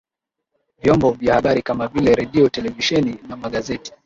vyombo vya habari kama vile redio televisheni na magazeti